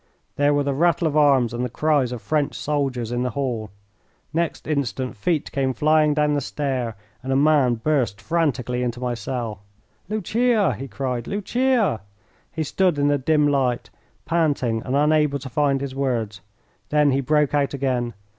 There were the rattle of arms and the cries of French soldiers in the hall. Next instant feet came flying down the stair and a man burst frantically into my cell. "Lucia!" he cried, "Lucia!" He stood in the dim light, panting and unable to find his words. Then he broke out again.